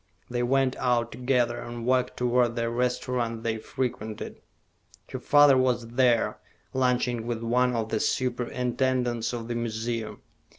They went out together, and walked toward the restaurant they frequented. Her father was there, lunching with one of the superintendents of the museum.